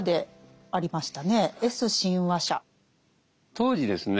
当時ですね